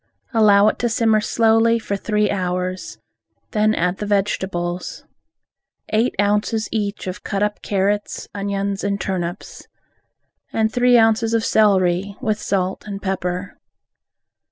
Allow it to simmer slowly for three hours. Then add the vegetables; eight ounces each of cut up carrots, onions and turnips, and three ounces of celery, with salt and pepper.